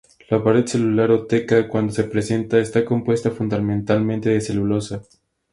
La pared celular o teca, cuando se presenta, está compuesta fundamentalmente de celulosa.